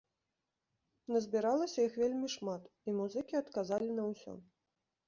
Назбіралася іх вельмі шмат, і музыкі адказалі на ўсё.